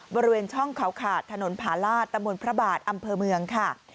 บริเวณช่องเขาขาดถนนผาลาศตะมนต์พระบาทอำเภอเมืองค่ะ